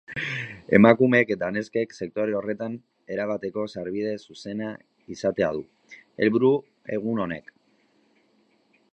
Emakumeek eta neskek sektore horretan erabateko sarbide zuzena izatea du helburu egun honek.